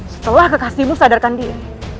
setelah kekasihmu sadarkan diri